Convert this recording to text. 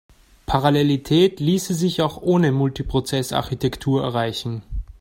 Parallelität ließe sich auch ohne Multiprozess-Architektur erreichen.